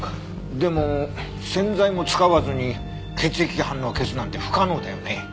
でも洗剤も使わずに血液反応を消すなんて不可能だよね。